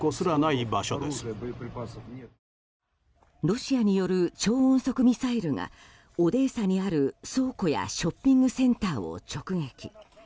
ロシアによる超音速ミサイルがオデーサにある倉庫やショッピングセンターを直撃。